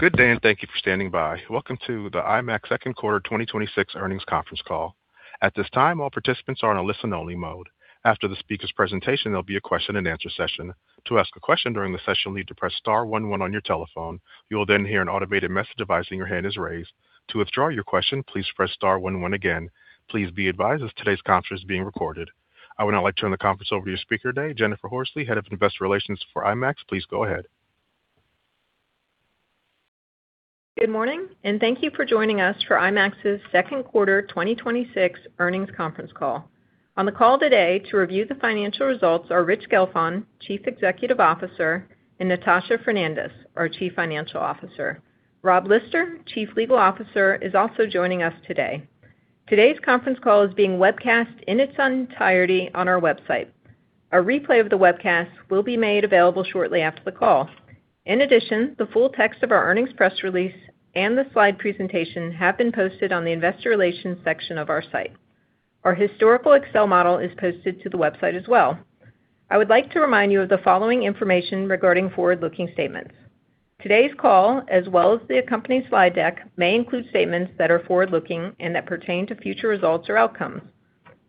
Good day, and thank you for standing by. Welcome to the IMAX second quarter 2026 earnings conference call. At this time, all participants are in a listen-only mode. After the speaker's presentation, there will be a question-and-answer session. To ask a question during the session, you will need to press star one one on your telephone. You will then hear an automated message advising your hand is raised. To withdraw your question, please press star one one again. Please be advised as today's conference is being recorded. I would now like to turn the conference over to your speaker today, Jennifer Horsley, Head of Investor Relations for IMAX. Please go ahead. Good morning, and thank you for joining us for IMAX's second quarter 2026 earnings conference call. On the call today to review the financial results are Rich Gelfond, Chief Executive Officer, and Natasha Fernandes, our Chief Financial Officer. Rob Lister, Chief Legal Officer, is also joining us today. Today's conference call is being webcast in its entirety on our website. A replay of the webcast will be made available shortly after the call. In addition, the full text of our earnings press release and the slide presentation have been posted on the investor relations section of our site. Our historical Excel model is posted to the website as well. I would like to remind you of the following information regarding forward-looking statements. Today's call, as well as the accompanying slide deck, may include statements that are forward-looking and that pertain to future results or outcomes.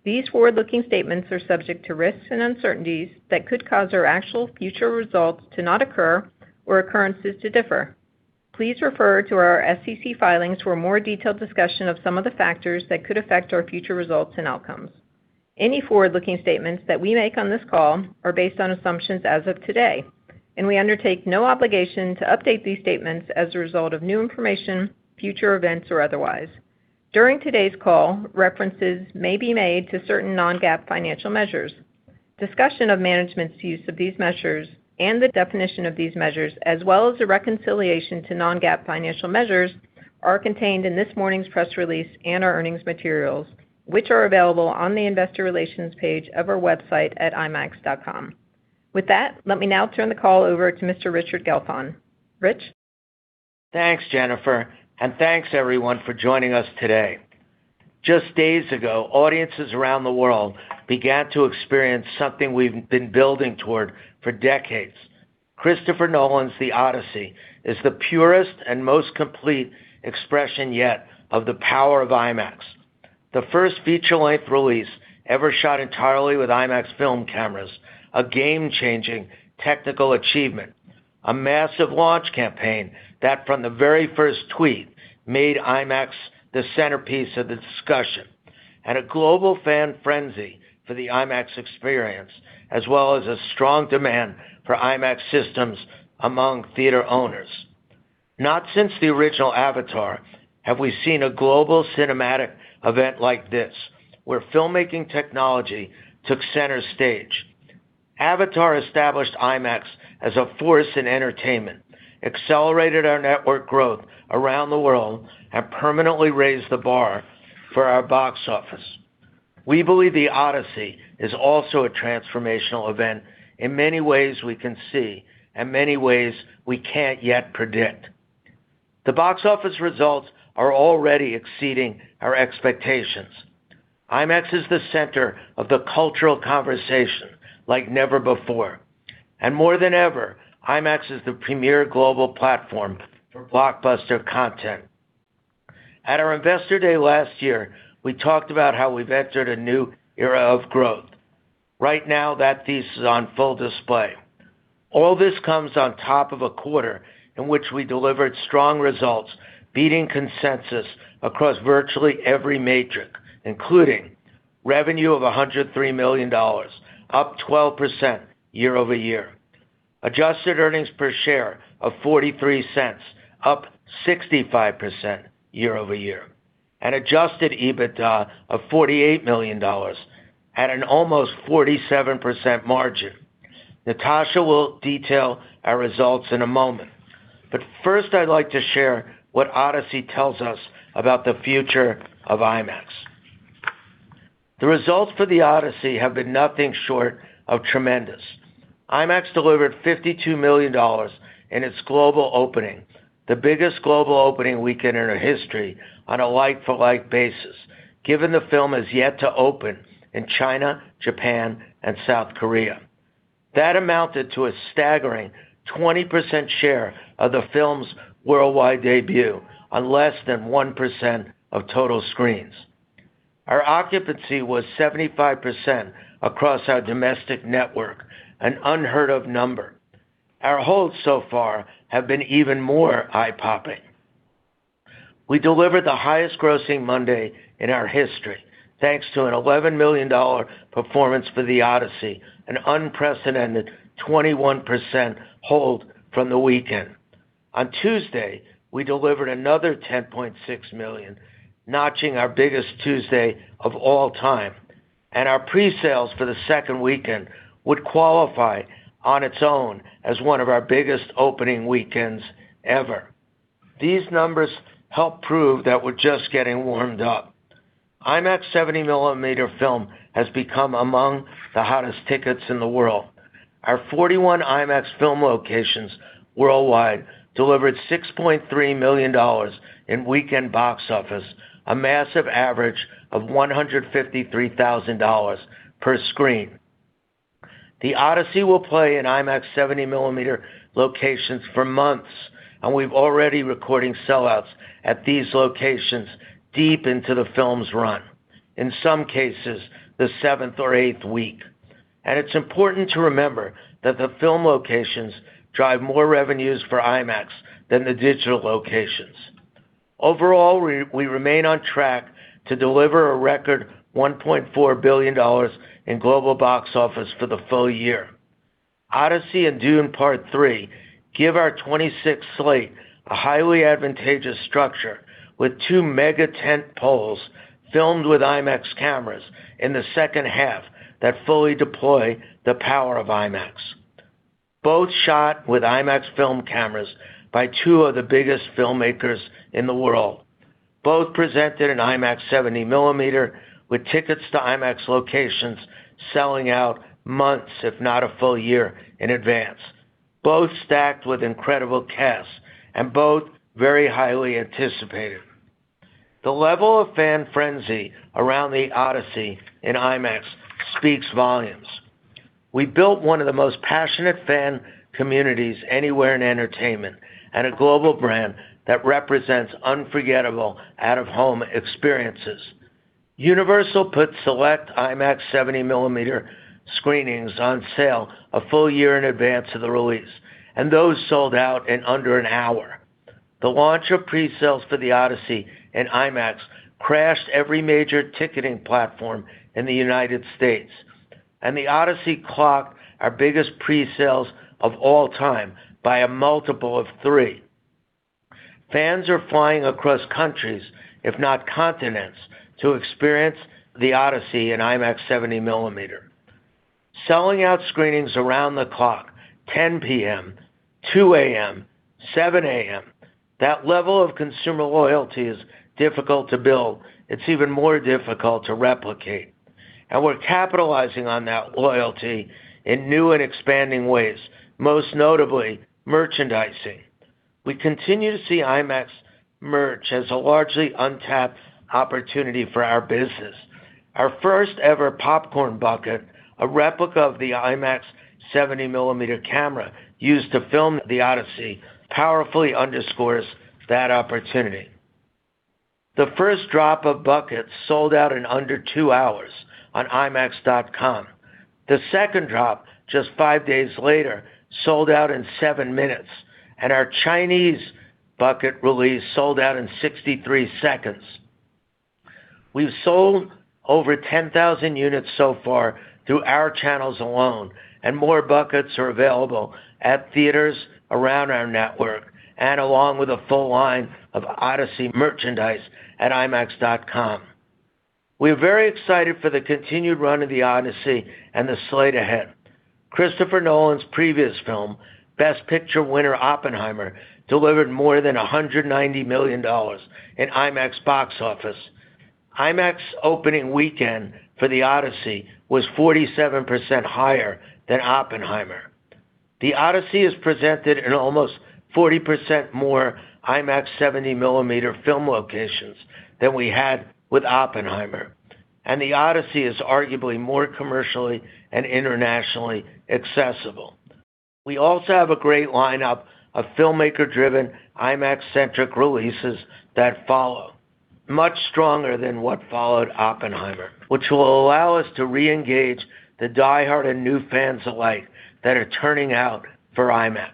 These forward-looking statements are subject to risks and uncertainties that could cause our actual future results to not occur or occurrences to differ. Please refer to our SEC filings for a more detailed discussion of some of the factors that could affect our future results and outcomes. Any forward-looking statements that we make on this call are based on assumptions as of today, and we undertake no obligation to update these statements as a result of new information, future events, or otherwise. During today's call, references may be made to certain non-GAAP financial measures. Discussion of management's use of these measures and the definition of these measures, as well as a reconciliation to non-GAAP financial measures, are contained in this morning's press release and our earnings materials, which are available on the investor relations page of our website at imax.com. With that, let me now turn the call over to Mr. Rich Gelfond. Rich? Thanks, Jennifer, and thanks everyone for joining us today. Just days ago, audiences around the world began to experience something we've been building toward for decades. Christopher Nolan's The Odyssey is the purest and most complete expression yet of the power of IMAX. The first feature-length release ever shot entirely with IMAX film cameras, a game-changing technical achievement, a massive launch campaign that from the very first tweet made IMAX the centerpiece of the discussion, and a global fan frenzy for the IMAX experience, as well as a strong demand for IMAX systems among theater owners. Not since the original Avatar have we seen a global cinematic event like this, where filmmaking technology took center stage. Avatar established IMAX as a force in entertainment, accelerated our network growth around the world, and permanently raised the bar for our box office. We believe The Odyssey is also a transformational event in many ways we can see and many ways we can't yet predict. The box office results are already exceeding our expectations. IMAX is the center of the cultural conversation like never before. More than ever, IMAX is the premier global platform for blockbuster content. At our Investor Day last year, we talked about how we've entered a new era of growth. Right now, that thesis is on full display. All this comes on top of a quarter in which we delivered strong results, beating consensus across virtually every metric, including revenue of $103 million, up 12% year-over-year, adjusted EPS of $0.43, up 65% year-over-year, and adjusted EBITDA of $48 million at an almost 47% margin. Natasha will detail our results in a moment, but first I'd like to share what Odyssey tells us about the future of IMAX. The results for The Odyssey have been nothing short of tremendous. IMAX delivered $52 million in its global opening, the biggest global opening weekend in our history on a like-for-like basis, given the film has yet to open in China, Japan, and South Korea. That amounted to a staggering 20% share of the film's worldwide debut on less than 1% of total screens. Our occupancy was 75% across our domestic network, an unheard-of number. Our holds so far have been even more eye-popping. We delivered the highest-grossing Monday in our history, thanks to an $11 million performance for The Odyssey, an unprecedented 21% hold from the weekend. On Tuesday, we delivered another $10.6 million, notching our biggest Tuesday of all time. Our presales for the second weekend would qualify on its own as one of our biggest opening weekends ever. These numbers help prove that we're just getting warmed up. IMAX 70mm film has become among the hottest tickets in the world. Our 41 IMAX film locations worldwide delivered $6.3 million in weekend box office, a massive average of $153,000 per screen. The Odyssey will play in IMAX 70mm film locations for months. We're already recording sell-outs at these locations deep into the film's run, in some cases, the seventh or eighth week. It's important to remember that the film locations drive more revenues for IMAX than the digital locations. Overall, we remain on track to deliver a record $1.4 billion in global box office for the full year. Odyssey and Dune: Part Three give our 2026 slate a highly advantageous structure with two mega tent poles filmed with IMAX cameras in the second half that fully deploy the power of IMAX. Both shot with IMAX film cameras by two of the biggest filmmakers in the world. Both presented in IMAX 70mm with tickets to IMAX locations selling out months, if not a full year in advance. Both stacked with incredible casts and both very highly anticipated. The level of fan frenzy around The Odyssey in IMAX speaks volumes. We built one of the most passionate fan communities anywhere in entertainment and a global brand that represents unforgettable out-of-home experiences. Universal put select IMAX 70mm screenings on sale a full year in advance of the release, and those sold out in under an hour. The launch of pre-sales for The Odyssey in IMAX crashed every major ticketing platform in the U.S. The Odyssey clocked our biggest pre-sales of all time by a multiple of three. Fans are flying across countries, if not continents, to experience The Odyssey in IMAX 70mm. Selling out screenings around the clock, 10:00 P.M., 2:00 A.M., 7:00 A.M., that level of consumer loyalty is difficult to build. It's even more difficult to replicate. We're capitalizing on that loyalty in new and expanding ways, most notably merchandising. We continue to see IMAX merch as a largely untapped opportunity for our business. Our first-ever popcorn bucket, a replica of the IMAX 70mm camera used to film The Odyssey, powerfully underscores that opportunity. The first drop of buckets sold out in under two hours on imax.com. The second drop, just five days later, sold out in seven minutes. Our Chinese bucket release sold out in 63 seconds. We've sold over 10,000 units so far through our channels alone, and more buckets are available at theaters around our network and along with a full line of Odyssey merchandise at imax.com. We're very excited for the continued run of The Odyssey and the slate ahead. Christopher Nolan's previous film, Best Picture winner, Oppenheimer, delivered more than $190 million in IMAX box office. IMAX opening weekend for The Odyssey was 47% higher than Oppenheimer. The Odyssey is presented in almost 40% more IMAX 70mm film locations than we had with Oppenheimer, and The Odyssey is arguably more commercially and internationally accessible. We also have a great lineup of filmmaker-driven, IMAX-centric releases that follow, much stronger than what followed Oppenheimer, which will allow us to re-engage the diehard and new fans alike that are turning out for IMAX,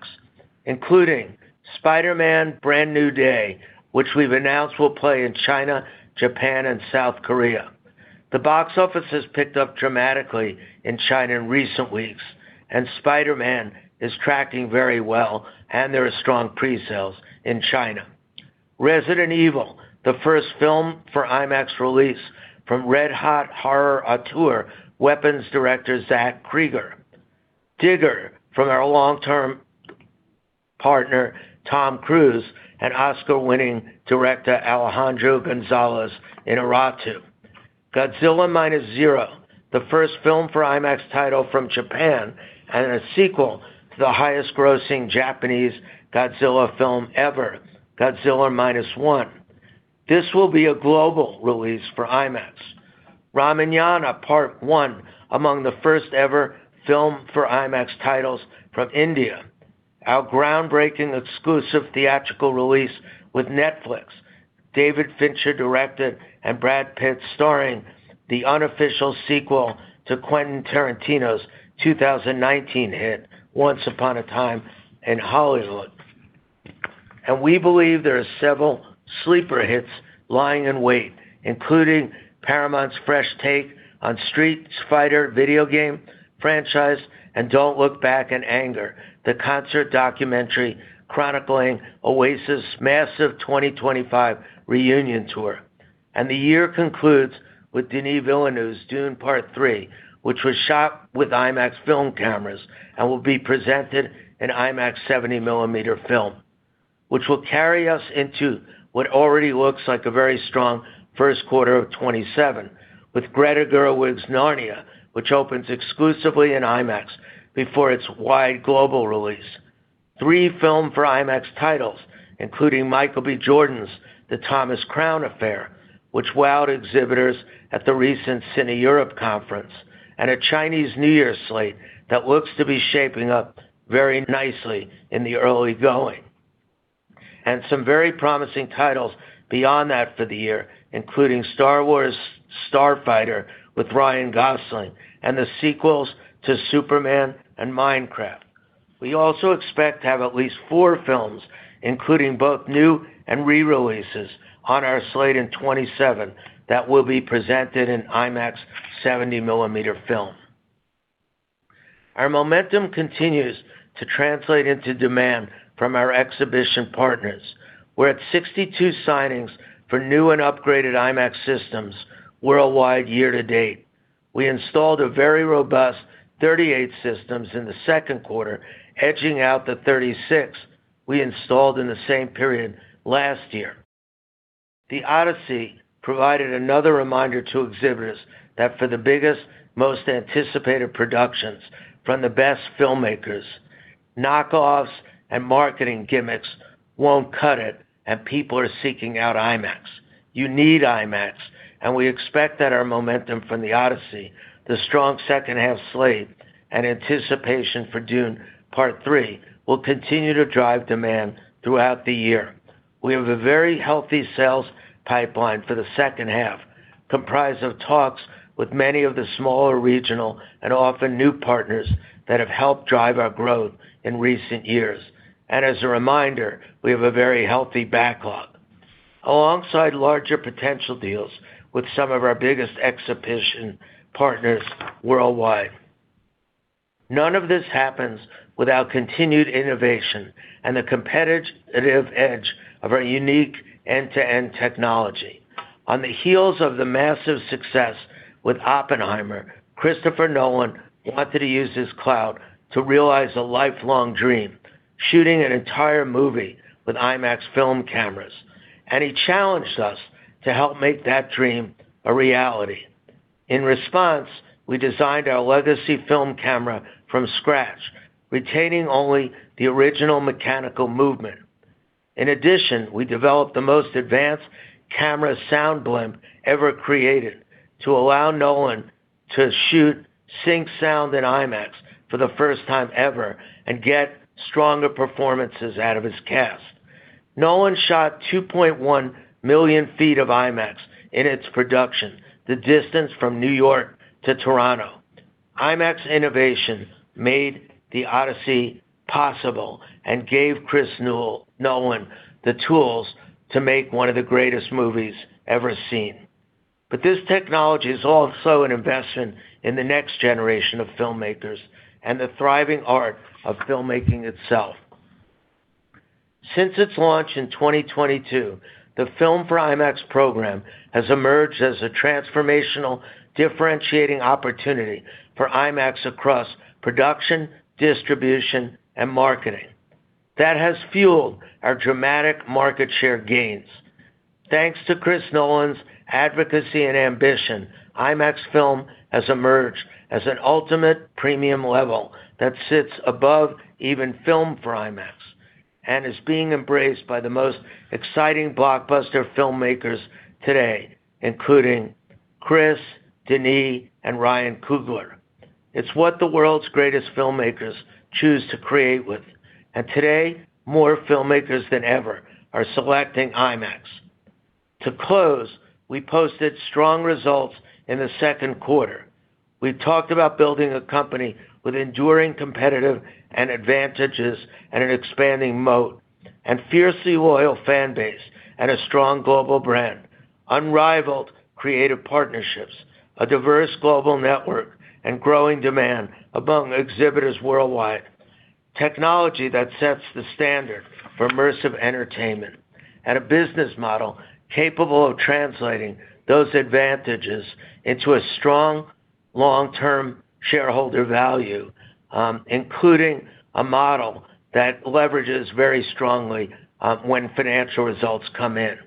including Spider-Man: Brand New Day, which we've announced will play in China, Japan, and South Korea. The box office has picked up dramatically in China in recent weeks. Spider-Man is tracking very well, and there are strong pre-sales in China. Resident Evil, the first film for IMAX release from red-hot horror auteur, Weapons' director, Zach Cregger. Digger from our long-term partner, Tom Cruise, and Oscar-winning director, Alejandro González Iñárritu. Godzilla Minus Zero, the first film for IMAX title from Japan, and a sequel to the highest-grossing Japanese Godzilla film ever, Godzilla Minus One. This will be a global release for IMAX. Ramayana: Part 1, among the first-ever Filmed for IMAX titles from India. Our groundbreaking exclusive theatrical release with Netflix, David Fincher directed and Brad Pitt starring, the unofficial sequel to Quentin Tarantino's 2019 hit, Once Upon a Time in Hollywood. We believe there are several sleeper hits lying in wait, including Paramount's fresh take on Street Fighter video game franchise, and Don't Look Back in Anger, the concert documentary chronicling Oasis' massive 2025 reunion tour. The year concludes with Denis Villeneuve's Dune: Part Three, which was shot with IMAX film cameras and will be presented in IMAX 70mm film, which will carry us into what already looks like a very strong first quarter of 2027, with Greta Gerwig's Narnia, which opens exclusively in IMAX before its wide global release. Three Filmed for IMAX titles, including Michael B. Jordan's, "The Thomas Crown Affair," which wowed exhibitors at the recent CineEurope conference, and a Chinese New Year slate that looks to be shaping up very nicely in the early going. Some very promising titles beyond that for the year, including Star Wars: Starfighter with Ryan Gosling, and the sequels to Superman and Minecraft. We also expect to have at least four films, including both new and re-releases, on our slate in 2027 that will be presented in IMAX 70mm film. Our momentum continues to translate into demand from our exhibition partners. We are at 62 signings for new and upgraded IMAX systems worldwide year to date. We installed a very robust 38 systems in the second quarter, edging out the 36 we installed in the same period last year. The Odyssey provided another reminder to exhibitors that for the biggest, most anticipated productions from the best filmmakers, knock-offs and marketing gimmicks won't cut it, and people are seeking out IMAX. You need IMAX, and we expect that our momentum from The Odyssey, the strong second-half slate, and anticipation for Dune: Part Three will continue to drive demand throughout the year. We have a very healthy sales pipeline for the second half, comprised of talks with many of the smaller regional and often new partners that have helped drive our growth in recent years. As a reminder, we have a very healthy backlog, alongside larger potential deals with some of our biggest exhibition partners worldwide. None of this happens without continued innovation and the competitive edge of our unique end-to-end technology. On the heels of the massive success with Oppenheimer, Christopher Nolan wanted to use his clout to realize a lifelong dream, shooting an entire movie with IMAX film cameras. He challenged us to help make that dream a reality. In response, we designed our legacy film camera from scratch, retaining only the original mechanical movement. In addition, we developed the most advanced camera sound blimp ever created to allow Nolan to shoot sync sound in IMAX for the first time ever and get stronger performances out of his cast. Nolan shot 2.1 million feet of IMAX in its production, the distance from New York to Toronto. IMAX innovation made The Odyssey possible and gave Chris Nolan the tools to make one of the greatest movies ever seen. This technology is also an investment in the next generation of filmmakers and the thriving art of filmmaking itself. Since its launch in 2022, the Filmed for IMAX program has emerged as a transformational, differentiating opportunity for IMAX across production, distribution, and marketing. That has fueled our dramatic market share gains. Thanks to Chris Nolan's advocacy and ambition, IMAX film has emerged as an ultimate premium level that sits above even Filmed for IMAX and is being embraced by the most exciting blockbuster filmmakers today, including Chris, Denis, and Ryan Coogler. It's what the world's greatest filmmakers choose to create with, and today, more filmmakers than ever are selecting IMAX. To close, we posted strong results in the second quarter. We've talked about building a company with enduring competitive advantages and an expanding moat and fiercely loyal fan base and a strong global brand, unrivaled creative partnerships, a diverse global network, and growing demand among exhibitors worldwide. Technology that sets the standard for immersive entertainment, and a business model capable of translating those advantages into a strong long-term shareholder value, including a model that leverages very strongly when financial results come in.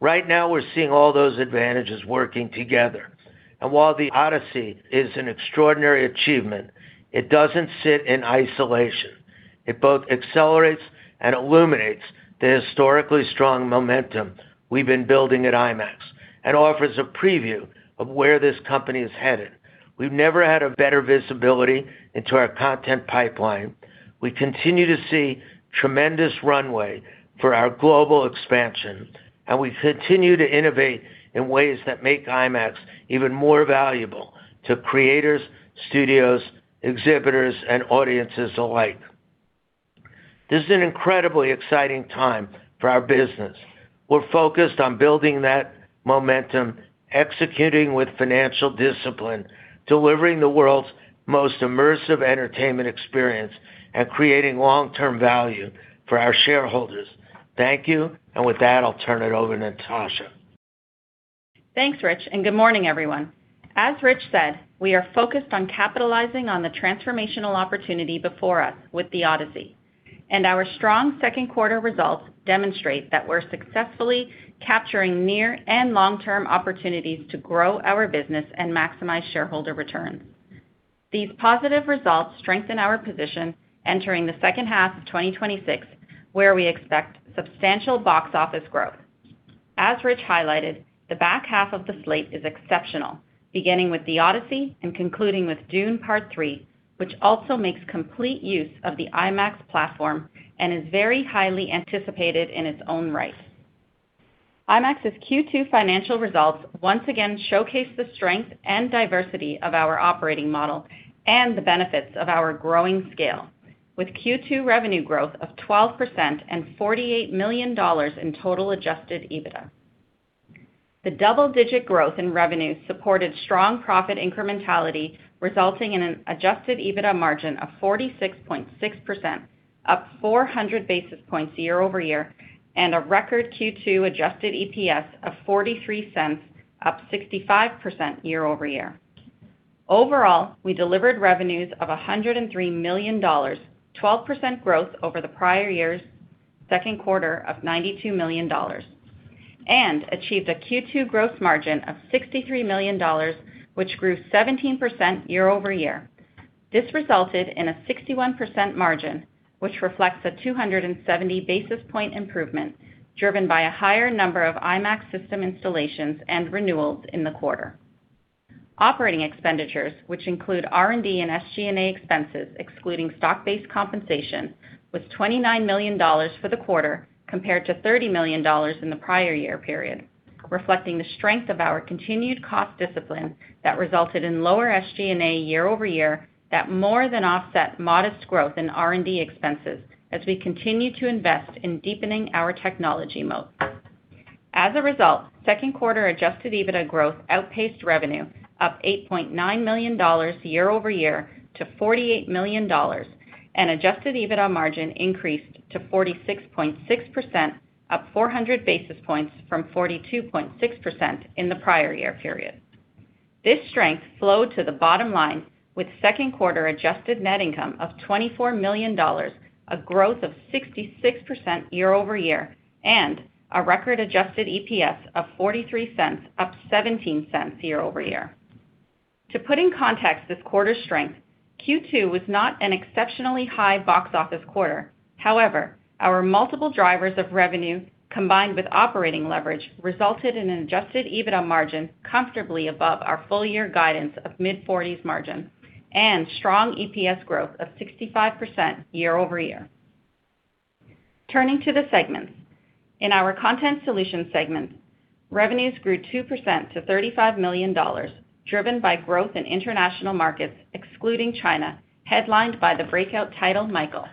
Right now, we're seeing all those advantages working together, and while The Odyssey is an extraordinary achievement, it doesn't sit in isolation. It both accelerates and illuminates the historically strong momentum we've been building at IMAX and offers a preview of where this company is headed. We've never had a better visibility into our content pipeline. We continue to see tremendous runway for our global expansion, and we continue to innovate in ways that make IMAX even more valuable to creators, studios, exhibitors, and audiences alike. This is an incredibly exciting time for our business. We're focused on building that momentum, executing with financial discipline, delivering the world's most immersive entertainment experience, and creating long-term value for our shareholders. Thank you. With that, I'll turn it over to Natasha. Thanks, Rich, and good morning, everyone. As Rich said, we are focused on capitalizing on the transformational opportunity before us with The Odyssey, and our strong second-quarter results demonstrate that we're successfully capturing near and long-term opportunities to grow our business and maximize shareholder returns. These positive results strengthen our position entering the second half of 2026, where we expect substantial box office growth. As Rich highlighted, the back half of the slate is exceptional, beginning with "The Odyssey" and concluding with "Dune: Part Three," which also makes complete use of the IMAX platform and is very highly anticipated in its own right. IMAX's Q2 financial results once again showcase the strength and diversity of our operating model and the benefits of our growing scale, with Q2 revenue growth of 12% and $48 million in total adjusted EBITDA. The double-digit growth in revenue supported strong profit incrementality, resulting in an adjusted EBITDA margin of 46.6%, up 400 basis points year-over-year, and a record Q2 adjusted EPS of $0.43, up 65% year-over-year. Overall, we delivered revenues of $103 million, 12% growth over the prior year's second quarter of $92 million, and achieved a Q2 gross margin of $63 million, which grew 17% year-over-year. This resulted in a 61% margin, which reflects a 270-basis-point improvement, driven by a higher number of IMAX system installations and renewals in the quarter. Operating expenditures, which include R&D and SG&A expenses, excluding stock-based compensation, was $29 million for the quarter, compared to $30 million in the prior year period, reflecting the strength of our continued cost discipline that resulted in lower SG&A year-over-year that more than offset modest growth in R&D expenses as we continue to invest in deepening our technology moat. As a result, second quarter adjusted EBITDA growth outpaced revenue, up $8.9 million year-over-year to $48 million, and adjusted EBITDA margin increased to 46.6%, up 400 basis points from 42.6% in the prior year period. This strength flowed to the bottom line with second quarter adjusted net income of $24 million, a growth of 66% year-over-year, and a record adjusted EPS of $0.43, up $0.17 year-over-year. To put in context this quarter's strength, Q2 was not an exceptionally high box office quarter. However, our multiple drivers of revenue, combined with operating leverage, resulted in an adjusted EBITDA margin comfortably above our full-year guidance of mid-40s margin and strong EPS growth of 65% year-over-year. Turning to the segments. In our content solutions segment, revenues grew 2% to $35 million, driven by growth in international markets excluding China, headlined by the breakout title, "Michael."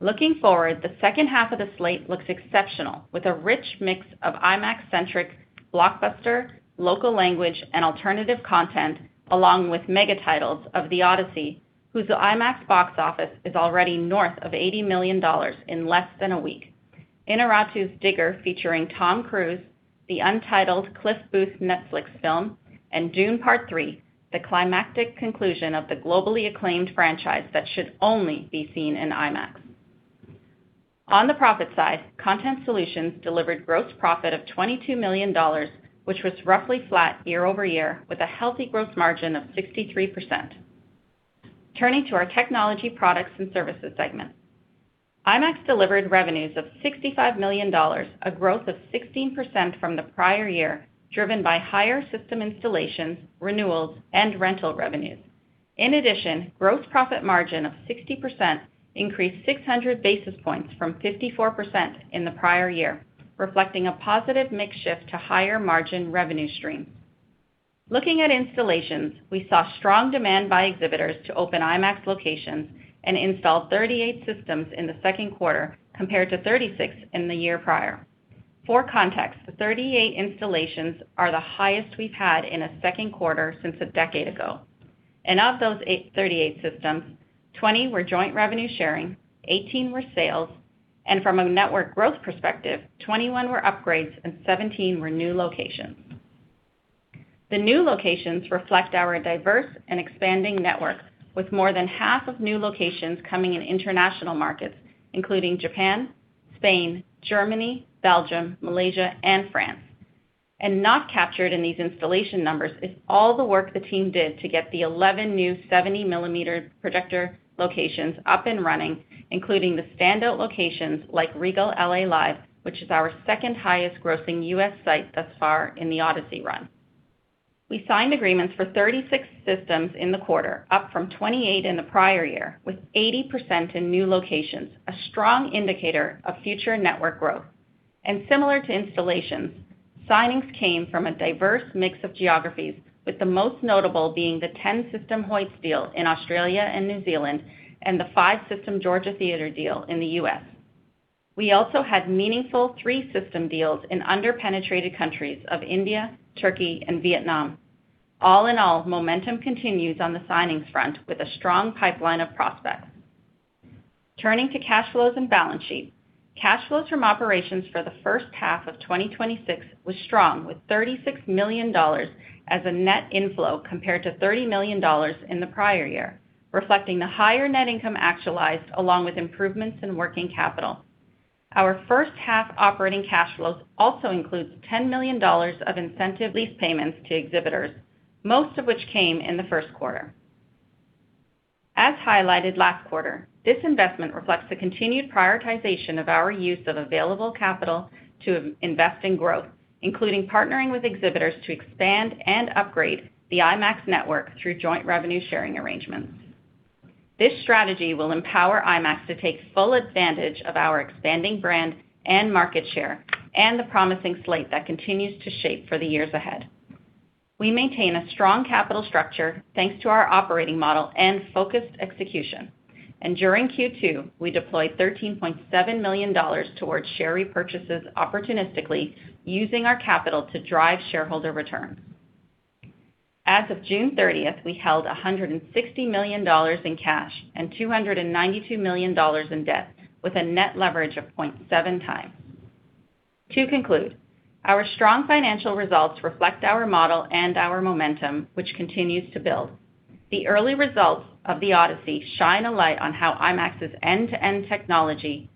Looking forward, the second half of the slate looks exceptional, with a rich mix of IMAX-centric, blockbuster, local language, and alternative content, along with mega titles of "The Odyssey," whose IMAX box office is already north of $80 million in less than a week, Inarritu's "Digger" featuring Tom Cruise, the untitled Cliff Booth Netflix film, and "Dune: Part Three," the climactic conclusion of the globally acclaimed franchise that should only be seen in IMAX. On the profit side, content solutions delivered gross profit of $22 million, which was roughly flat year-over-year with a healthy gross margin of 63%. Turning to our technology products and services segment. IMAX delivered revenues of $65 million, a growth of 16% from the prior year, driven by higher system installations, renewals, and rental revenues. In addition, gross profit margin of 60% increased 600 basis points from 54% in the prior year, reflecting a positive mix shift to higher-margin revenue streams. Looking at installations, we saw strong demand by exhibitors to open IMAX locations and install 38 systems in the second quarter, compared to 36 in the year prior. For context, the 38 installations are the highest we've had in a second quarter since a decade ago. Of those 38 systems, 20 were joint revenue sharing, 18 were sales, and from a network growth perspective, 21 were upgrades and 17 were new locations. The new locations reflect our diverse and expanding network with more than half of new locations coming in international markets, including Japan, Spain, Germany, Belgium, Malaysia, and France. Not captured in these installation numbers is all the work the team did to get the 11 new 70mm projector locations up and running, including the standout locations like Regal L.A. Live, which is our second highest grossing U.S. site thus far in "The Odyssey" run. We signed agreements for 36 systems in the quarter, up from 28 in the prior year, with 80% in new locations, a strong indicator of future network growth. Similar to installations, signings came from a diverse mix of geographies, with the most notable being the 10-system Hoyts deal in Australia and New Zealand, and the five-system Georgia Theatre deal in the U.S. We also had meaningful three-system deals in under-penetrated countries of India, Turkey, and Vietnam. All in all, momentum continues on the signings front with a strong pipeline of prospects. Turning to cash flows and balance sheet. Cash flows from operations for the first half of 2026 was strong with $36 million as a net inflow, compared to $30 million in the prior year, reflecting the higher net income actualized, along with improvements in working capital. Our first-half operating cash flows also includes $10 million of incentive lease payments to exhibitors, most of which came in the first quarter. As highlighted last quarter, this investment reflects the continued prioritization of our use of available capital to invest in growth, including partnering with exhibitors to expand and upgrade the IMAX network through joint revenue-sharing arrangements. This strategy will empower IMAX to take full advantage of our expanding brand and market share and the promising slate that continues to shape for the years ahead. We maintain a strong capital structure thanks to our operating model and focused execution. During Q2, we deployed $13.7 million towards share repurchases opportunistically using our capital to drive shareholder returns. As of June 30th, we held $160 million in cash and $292 million in debt, with a net leverage of 0.7x. To conclude, our strong financial results reflect our model and our momentum, which continues to build. The early results of "The Odyssey" shine a light on how IMAX's end-to-end technology,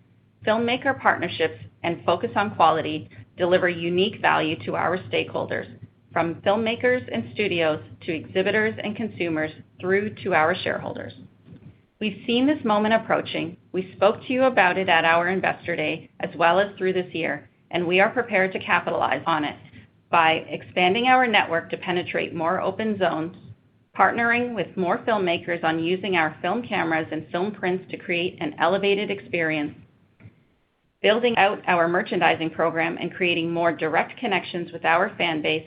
filmmaker partnerships, and focus on quality deliver unique value to our stakeholders, from filmmakers and studios to exhibitors and consumers, through to our shareholders. We've seen this moment approaching. We spoke to you about it at our Investor Day as well as through this year, we are prepared to capitalize on it by expanding our network to penetrate more open zones, partnering with more filmmakers on using our film cameras and film prints to create an elevated experience, building out our merchandising program and creating more direct connections with our fan base,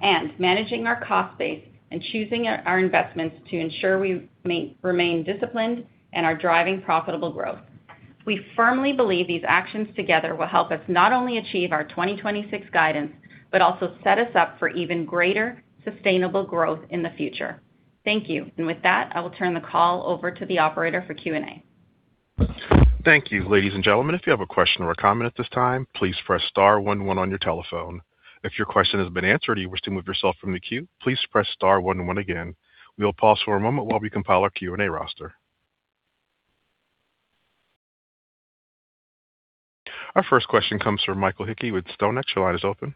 and managing our cost base and choosing our investments to ensure we remain disciplined and are driving profitable growth. We firmly believe these actions together will help us not only achieve our 2026 guidance, but also set us up for even greater sustainable growth in the future. Thank you. With that, I will turn the call over to the operator for Q&A. Thank you. Ladies and gentlemen, if you have a question or a comment at this time, please press star one one on your telephone. If your question has been answered and you wish to remove yourself from the queue, please press star one one again. We'll pause for a moment while we compile our Q&A roster. Our first question comes from Mike Hickey with StoneX. Your line is open.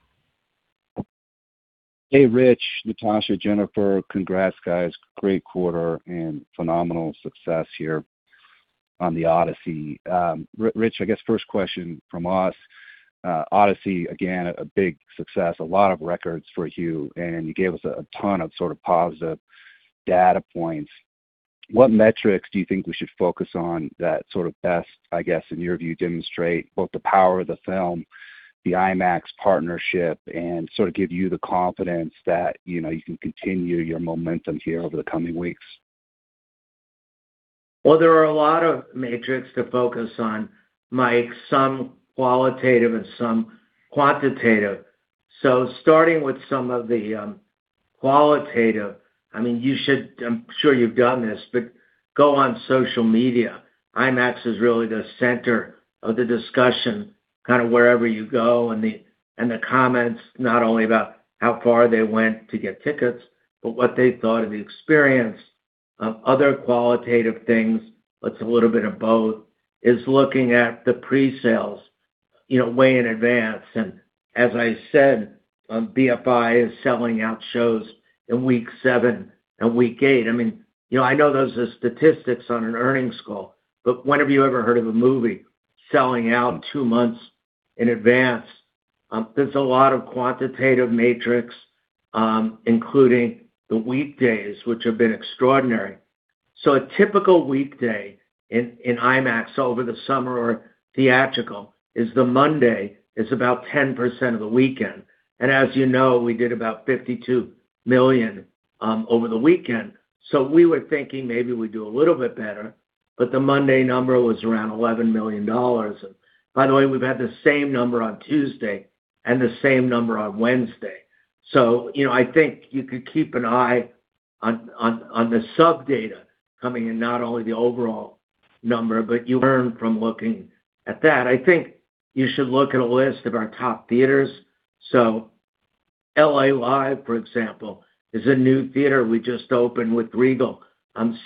Hey, Rich, Natasha, Jennifer. Congrats, guys. Great quarter and phenomenal success here on The Odyssey. Rich, I guess first question from us, Odyssey, again, a big success, a lot of records for you, and you gave us a ton of positive data points. What metrics do you think we should focus on that best, I guess, in your view, demonstrate both the power of the film, the IMAX partnership, and give you the confidence that you can continue your momentum here over the coming weeks? There are a lot of metrics to focus on, Mike, some qualitative and some quantitative. Starting with some of the qualitative, I'm sure you've done this, but go on social media. IMAX is really the center of the discussion kind of wherever you go and the comments, not only about how far they went to get tickets, but what they thought of the experience. Other qualitative things that's a little bit of both is looking at the pre-sales way in advance. As I said, BFI is selling out shows in week seven and week eight. I know those are statistics on an earnings call, but when have you ever heard of a movie selling out two months in advance? There's a lot of quantitative metrics, including the weekdays, which have been extraordinary. A typical weekday in IMAX over the summer or theatrical is the Monday. It's about 10% of the weekend. As you know, we did about $52 million over the weekend. We were thinking maybe we'd do a little bit better, but the Monday number was around $11 million. By the way, we've had the same number on Tuesday and the same number on Wednesday. I think you could keep an eye on the sub-data coming in, not only the overall number, but you learn from looking at that. I think you should look at a list of our top theaters. L.A. Live, for example, is a new theater we just opened with Regal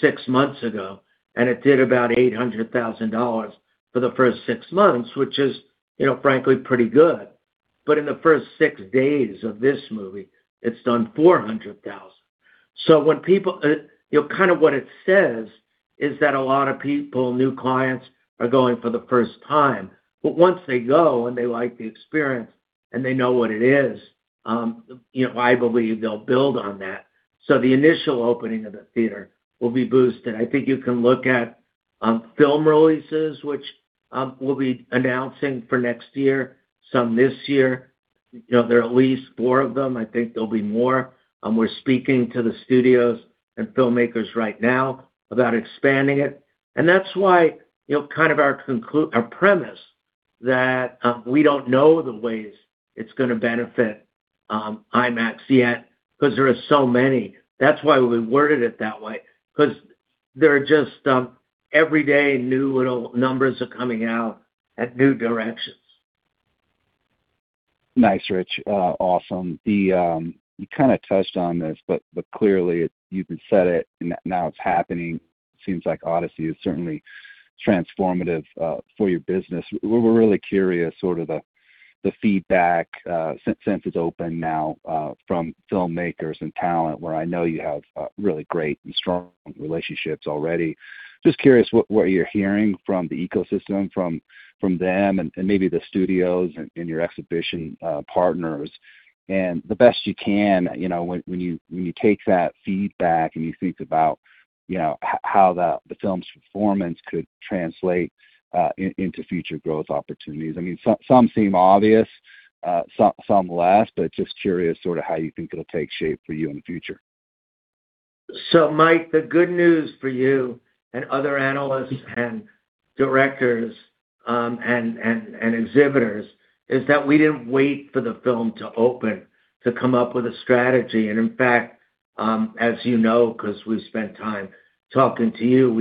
six months ago, and it did about $800,000 for the first six months, which is frankly pretty good. In the first six days of this movie, it's done $400,000. What it says is that a lot of people, new clients, are going for the first time. Once they go and they like the experience and they know what it is, I believe they'll build on that. The initial opening of the theater will be boosted. I think you can look at film releases, which we'll be announcing for next year, some this year. There are at least four of them. I think there'll be more. We're speaking to the studios and filmmakers right now about expanding it. That's why our premise that we don't know the ways it's going to benefit IMAX yet, because there are so many. That's why we worded it that way, because every day, new little numbers are coming out at new directions. Nice, Rich. Awesome. You kind of touched on this, clearly you said it and now it's happening. Seems like Odyssey is certainly transformative for your business. We're really curious, sort of the feedback, since it's open now, from filmmakers and talent, where I know you have really great and strong relationships already. Just curious what you're hearing from the ecosystem, from them and maybe the studios and your exhibition partners. The best you can, when you take that feedback and you think about how the film's performance could translate into future growth opportunities. Some seem obvious, some less, but just curious sort of how you think it'll take shape for you in the future. Mike, the good news for you and other analysts and directors and exhibitors, is that we didn't wait for the film to open to come up with a strategy. In fact, as you know, because we've spent time talking to you,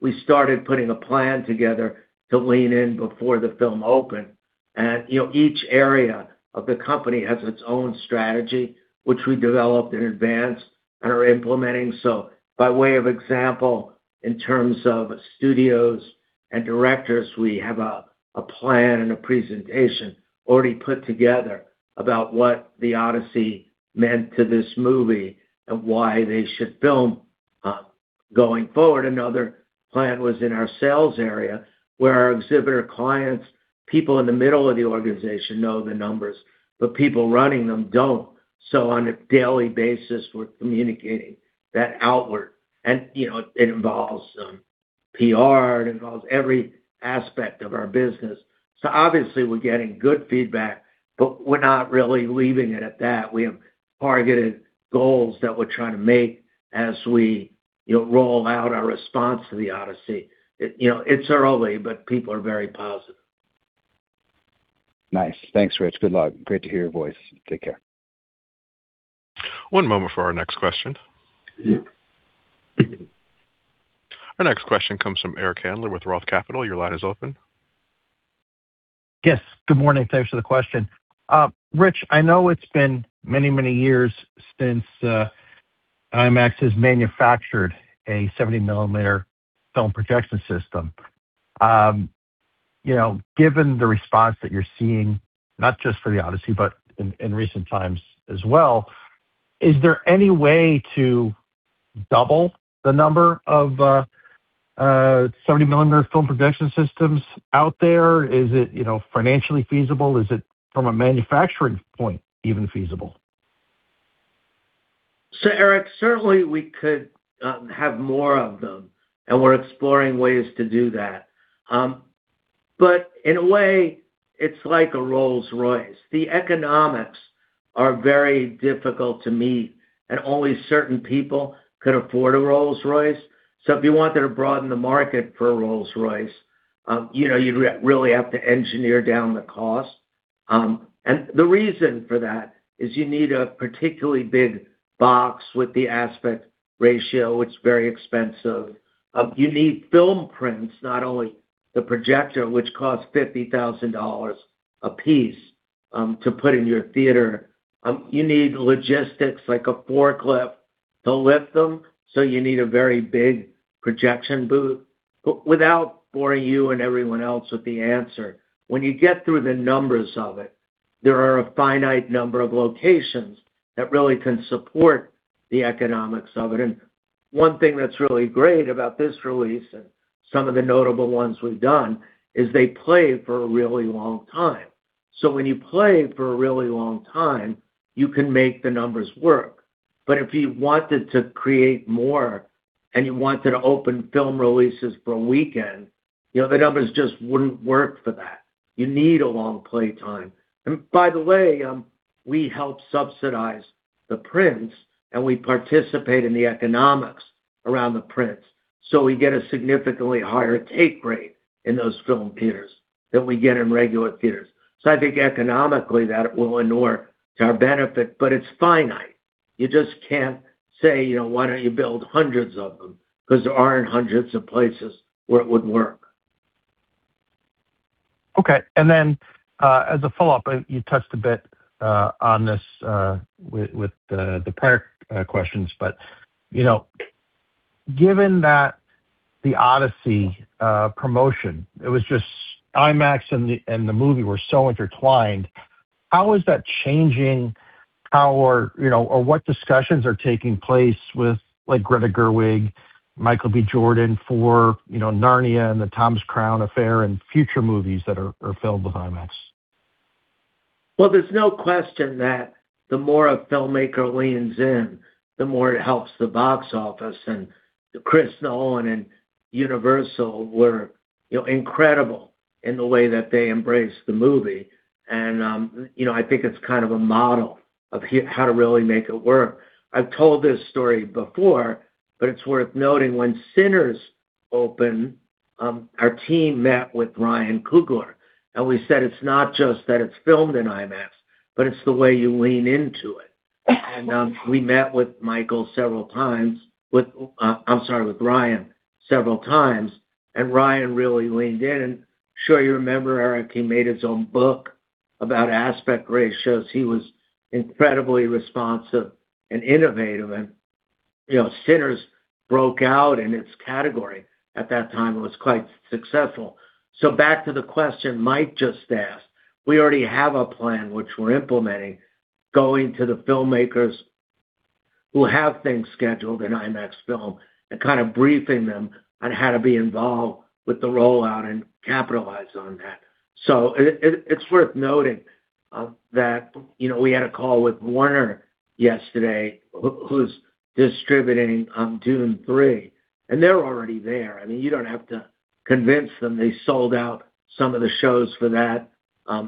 we started putting a plan together to lean in before the film opened. Each area of the company has its own strategy, which we developed in advance and are implementing. By way of example, in terms of studios and directors, we have a plan and a presentation already put together about what The Odyssey meant to this movie and why they should film going forward. Another plan was in our sales area, where our exhibitor clients, people in the middle of the organization know the numbers, people running them don't. On a daily basis, we're communicating that outward, it involves some PR, it involves every aspect of our business. Obviously we're getting good feedback, we're not really leaving it at that. We have targeted goals that we're trying to make as we roll out our response to The Odyssey. It's early, people are very positive. Nice. Thanks, Rich. Good luck. Great to hear your voice. Take care. One moment for our next question. Our next question comes from Eric Handler with Roth Capital. Your line is open. Yes. Good morning. Thanks for the question. Rich, I know it's been many, many years since IMAX has manufactured a 70mm film projection system. Given the response that you're seeing, not just for The Odyssey, but in recent times as well, is there any way to double the number of 70mm film projection systems out there? Is it financially feasible? Is it from a manufacturing point even feasible? Eric, certainly we could have more of them and we're exploring ways to do that. In a way, it's like a Rolls-Royce. The economics are very difficult to meet, and only certain people could afford a Rolls-Royce. If you wanted to broaden the market for a Rolls-Royce, you'd really have to engineer down the cost. The reason for that is you need a particularly big box with the aspect ratio. It's very expensive. You need film prints, not only the projector, which costs $50,000 a piece, to put in your theater. You need logistics like a forklift to lift them, so you need a very big projection booth. Without boring you and everyone else with the answer, when you get through the numbers of it, there are a finite number of locations that really can support the economics of it. One thing that's really great about this release and some of the notable ones we've done is they play for a really long time. When you play for a really long time, you can make the numbers work. If you wanted to create more and you wanted to open film releases for a weekend, the numbers just wouldn't work for that. You need a long play time. By the way, we help subsidize the prints and we participate in the economics around the prints. We get a significantly higher take rate in those film theaters than we get in regular theaters. I think economically that will inure to our benefit, but it's finite. You just can't say, Why don't you build hundreds of them? Because there aren't hundreds of places where it would work. Okay. As a follow-up, you touched a bit on this with the prior questions, but given that The Odyssey promotion, it was just IMAX and the movie were so intertwined. How is that changing how or what discussions are taking place with Greta Gerwig, Michael B. Jordan for Narnia and The Thomas Crown Affair and future movies that are Filmed for IMAX? Well, there's no question that the more a filmmaker leans in, the more it helps the box office. Chris Nolan and Universal were incredible in the way that they embraced the movie. I think it's kind of a model of how to really make it work. I've told this story before, but it's worth noting when Sinners opened, our team met with Ryan Coogler, we said it's not just that it's filmed in IMAX, but it's the way you lean into it. We met with Ryan several times, and Ryan really leaned in. I'm sure you remember, Eric, he made his own book about aspect ratios. He was incredibly responsive and innovative and "Sinners" broke out in its category. At that time, it was quite successful. Back to the question Mike just asked, we already have a plan which we're implementing, going to the filmmakers who have things scheduled in IMAX film and briefing them on how to be involved with the rollout and capitalize on that. It's worth noting that we had a call with Warner yesterday, who's distributing Dune Three, they're already there. You don't have to convince them. They sold out some of the shows for that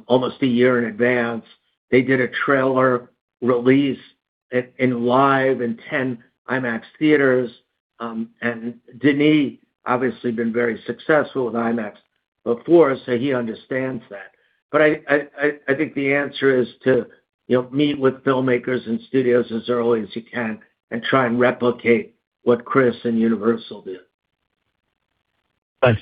almost a year in advance. They did a trailer release in live in 10 IMAX theaters. Denis obviously been very successful with IMAX before, so he understands that. I think the answer is to meet with filmmakers and studios as early as you can and try and replicate what Chris and Universal did. Thanks.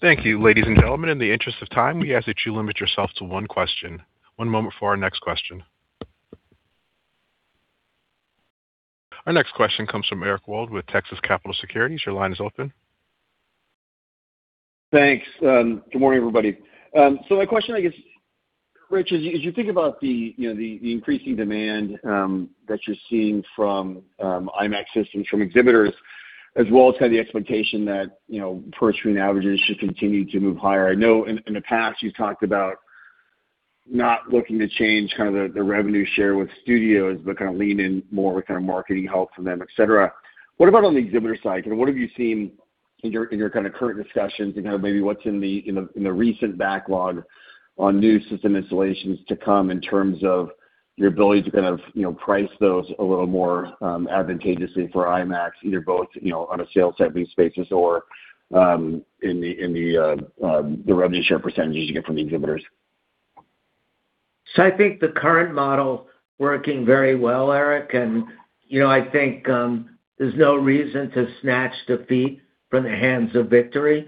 Thank you, ladies and gentlemen. In the interest of time, we ask that you limit yourself to one question. One moment for our next question. Our next question comes from Eric Wold with Texas Capital Securities. Your line is open. Thanks. Good morning, everybody. My question, I guess, Rich, as you think about the increasing demand that you're seeing from IMAX systems from exhibitors, as well as kind of the expectation that per-screen averages should continue to move higher, I know in the past you've talked about not looking to change the revenue share with studios, but kind of lean in more with kind of marketing help from them, et cetera. What about on the exhibitor side? What have you seen in your kind of current discussions and kind of maybe what's in the recent backlog on new system installations to come in terms of your ability to kind of price those a little more advantageously for IMAX, either both on a sales type basis or in the revenue share percentages you get from the exhibitors? I think the current model working very well, Eric, and I think there's no reason to snatch defeat from the hands of victory.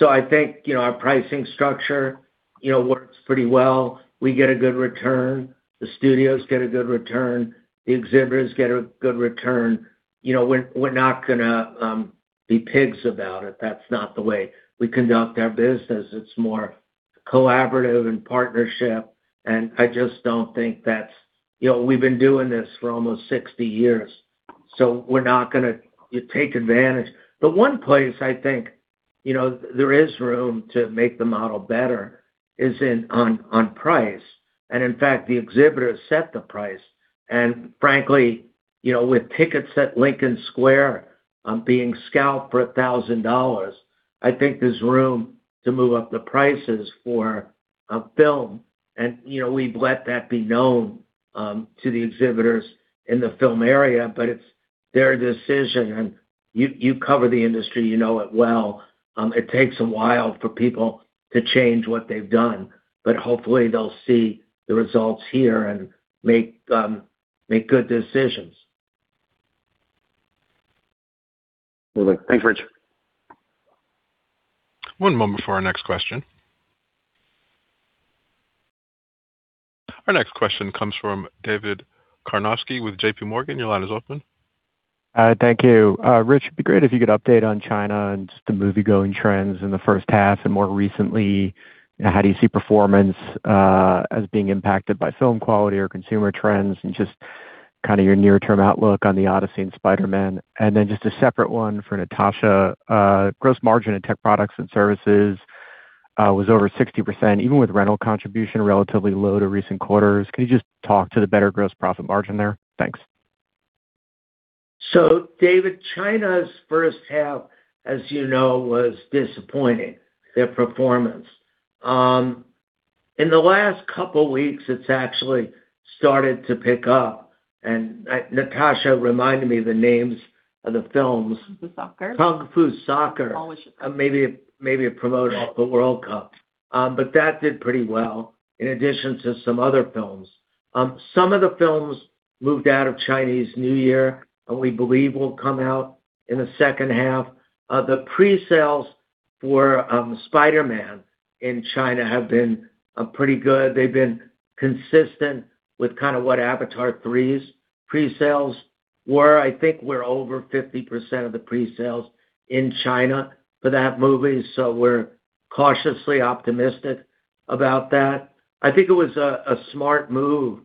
I think, our pricing structure works pretty well. We get a good return. The studios get a good return. The exhibitors get a good return. We're not gonna be pigs about it. That's not the way we conduct our business. It's more collaborative and partnership. We've been doing this for almost 60 years, so we're not going to take advantage. The one place I think there is room to make the model better is on price. In fact, the exhibitors set the price. Frankly, with tickets at Lincoln Square being scalped for $1,000, I think there's room to move up the prices for a film. We've let that be known to the exhibitors in the film area, but it's their decision. You cover the industry, you know it well. It takes a while for people to change what they've done, but hopefully they'll see the results here and make good decisions. Thanks, Rich. One moment for our next question. Our next question comes from David Karnovsky with JPMorgan. Your line is open. Thank you. Rich, it would be great if you could update on China and just the moviegoing trends in the first half and more recently, how do you see performance as being impacted by film quality or consumer trends and just kind of your near-term outlook on The Odyssey and Spider-Man. Just a separate one for Natasha. Gross margin in tech products and services was over 60%, even with rental contribution relatively low to recent quarters. Can you just talk to the better gross profit margin there? Thanks. David, China's first half, as you know, was disappointing, their performance. In the last couple weeks, it's actually started to pick up, and Natasha reminded me the names of the films. Kung Fu Soccer. Kung Fu Soccer. Always. Maybe it promoted off the World Cup. That did pretty well in addition to some other films. Some of the films moved out of Chinese New Year and we believe will come out in the second half. The pre-sales for Spider-Man in China have been pretty good. They've been consistent with kind of what Avatar 3's pre-sales were. I think we're over 50% of the pre-sales in China for that movie, so we're cautiously optimistic about that. It was a smart move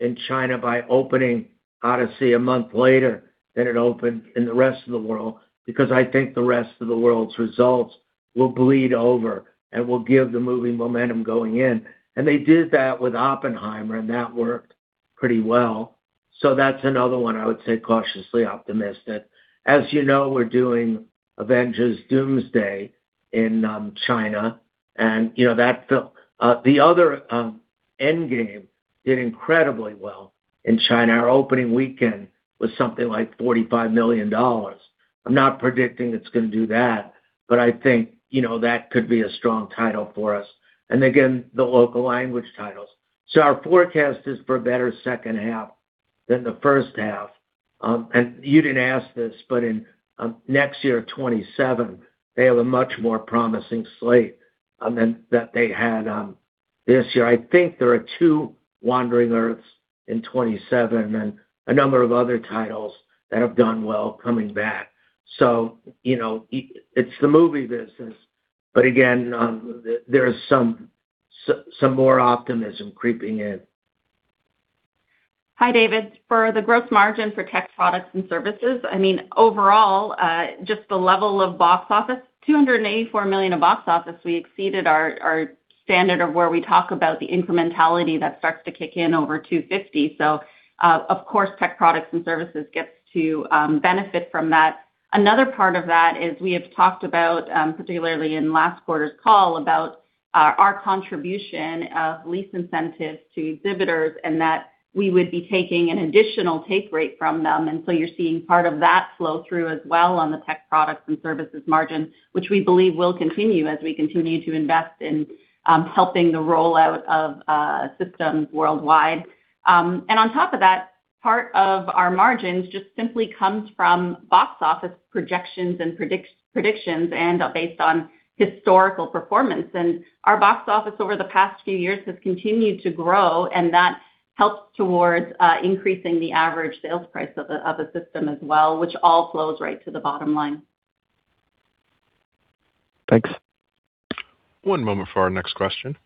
in China by opening Odyssey a month later than it opened in the rest of the world, because I think the rest of the world's results will bleed over and will give the movie momentum going in. They did that with Oppenheimer, and that worked pretty well. That's another one I would say cautiously optimistic. As you know, we're doing Avengers: Doomsday in China, and that film. The other, Endgame, did incredibly well in China. Our opening weekend was something like $45 million. I'm not predicting it's going to do that, but I think that could be a strong title for us. The local language titles. Our forecast is for a better second half than the first half. You didn't ask this, next year, 2027, they have a much more promising slate than they had this year. I think there are two Wandering Earths in 2027 and a number of other titles that have done well coming back. It's the movie business, again, there's some more optimism creeping in. Hi, David. For the gross margin for tech products and services, overall, just the level of box office, $284 million of box office, we exceeded our standard of where we talk about the incrementality that starts to kick in over $250 million. Of course, tech products and services gets to benefit from that. Another part of that is we have talked about, particularly in last quarter's call, about our contribution of lease incentives to exhibitors and that we would be taking an additional take rate from them. You're seeing part of that flow through as well on the tech products and services margin, which we believe will continue as we continue to invest in helping the rollout of systems worldwide. On top of that, part of our margins just simply comes from box office projections and predictions and are based on historical performance. Our box office over the past few years has continued to grow, and that helps towards increasing the average sales price of a system as well, which all flows right to the bottom line. Thanks. One moment for our next question.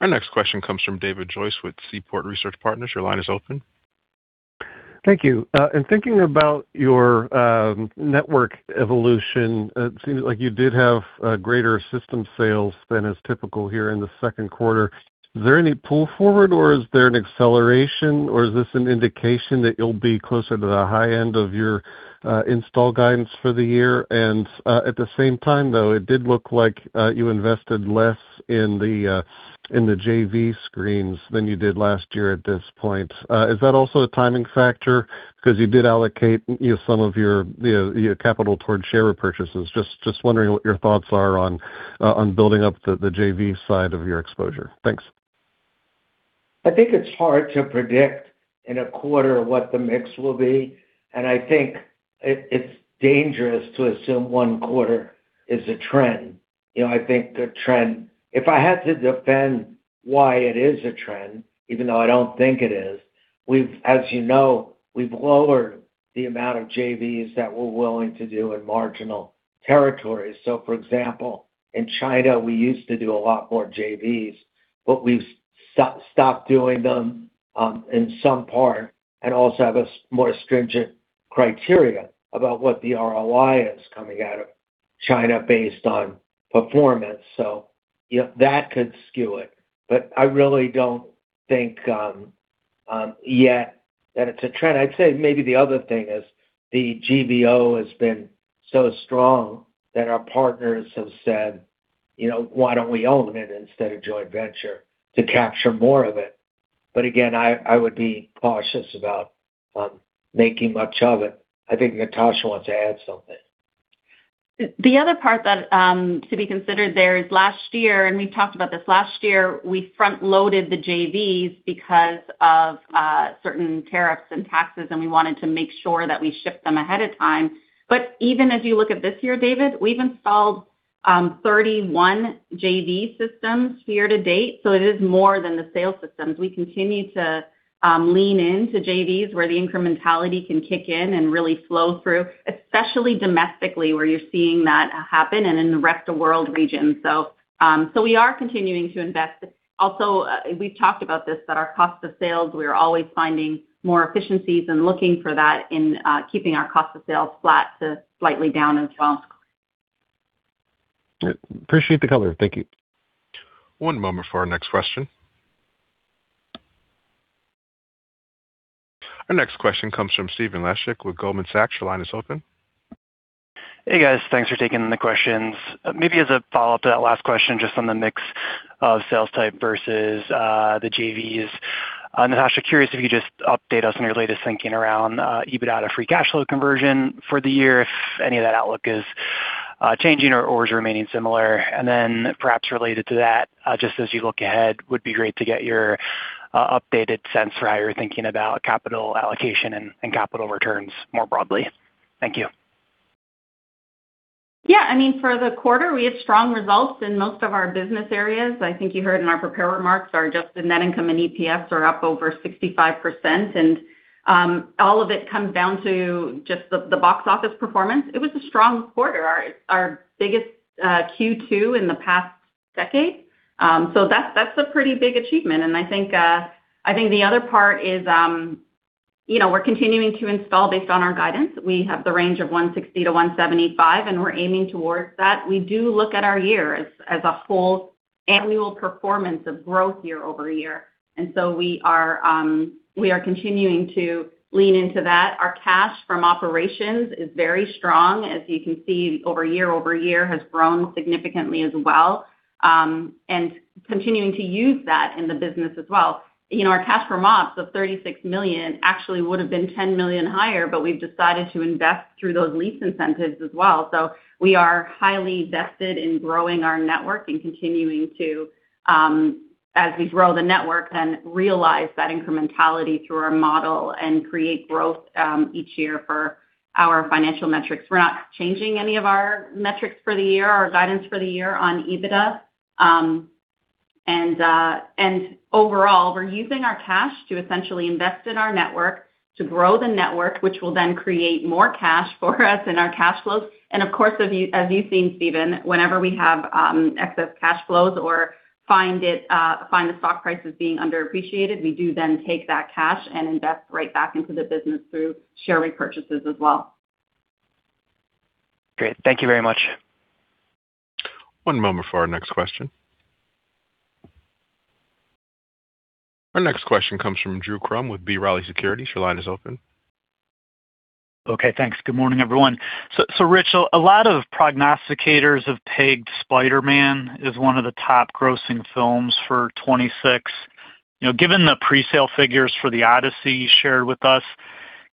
Our next question comes from David Joyce with Seaport Research Partners. Your line is open. Thank you. In thinking about your network evolution, it seems like you did have greater system sales than is typical here in the second quarter. Is there any pull forward, or is there an acceleration, or is this an indication that you'll be closer to the high end of your install guidance for the year? At the same time, though, it did look like you invested less in the JV screens than you did last year at this point. Is that also a timing factor because you did allocate some of your capital towards share repurchases? Just wondering what your thoughts are on building up the JV side of your exposure. Thanks. I think it's hard to predict in a quarter what the mix will be. I think it's dangerous to assume one quarter is a trend. If I had to defend why it is a trend, even though I don't think it is, as you know, we've lowered the amount of JVs that we're willing to do in marginal territories. For example, in China, we used to do a lot more JVs, but we've stopped doing them in some part and also have a more stringent criteria about what the ROI is coming out of China based on performance. That could skew it. I really don't think yet that it's a trend. I'd say maybe the other thing is the GBO has been so strong that our partners have said, "Why don't we own it instead of joint venture to capture more of it?" Again, I would be cautious about making much of it. I think Natasha wants to add something. The other part to be considered there is last year, we've talked about this, last year, we front-loaded the JVs because of certain tariffs and taxes, and we wanted to make sure that we shipped them ahead of time. Even as you look at this year, David, we've installed 31 JV systems year to date. It is more than the sales systems. We continue to lean into JVs where the incrementality can kick in and really flow through, especially domestically, where you're seeing that happen, and in the rest of world regions. We are continuing to invest. Also, we've talked about this, that our cost of sales, we are always finding more efficiencies and looking for that in keeping our cost of sales flat to slightly down as well. Appreciate the color. Thank you. One moment for our next question. Our next question comes from Stephen Laszczyk with Goldman Sachs. Your line is open. Hey, guys. Thanks for taking the questions. Maybe as a follow-up to that last question, just on the mix of sales type versus the JVs. Natasha, curious if you could just update us on your latest thinking around EBITDA to free cash flow conversion for the year, if any of that outlook is changing or is remaining similar. Then perhaps related to that, just as you look ahead, would be great to get your updated sense for how you're thinking about capital allocation and capital returns more broadly. Thank you. Yeah, for the quarter, we had strong results in most of our business areas. I think you heard in our prepared remarks, our adjusted net income and EPS are up over 65%, and all of it comes down to just the box office performance. It was a strong quarter. Our biggest Q2 in the past decade. That's a pretty big achievement, and I think the other part is we're continuing to install based on our guidance. We have the range of $1.60-$1.75, and we're aiming towards that. We do look at our year as a whole annual performance of growth year-over-year. We are continuing to lean into that. Our cash from operations is very strong, as you can see, over year-over-year has grown significantly as well, and continuing to use that in the business as well. Our cash from ops of $36 million actually would have been $10 million higher, We've decided to invest through those lease incentives as well. We are highly vested in growing our network and continuing to As we grow the network and realize that incrementality through our model and create growth each year for our financial metrics. We're not changing any of our metrics for the year, our guidance for the year on EBITDA. Overall, we're using our cash to essentially invest in our network, to grow the network, which will then create more cash for us in our cash flows. Of course, as you've seen, Stephen, whenever we have excess cash flows or find the stock prices being underappreciated, we do then take that cash and invest right back into the business through share repurchases as well. Great. Thank you very much. One moment for our next question. Our next question comes from Drew Crum with B. Riley Securities. Your line is open. Okay. Thanks. Good morning, everyone. Rich, a lot of prognosticators have pegged Spider-Man as one of the top grossing films for 2026. Given the presale figures for The Odyssey you shared with us,